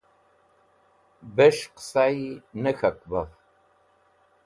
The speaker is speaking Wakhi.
Bẽs̃h qẽsayi ne k̃hak baf.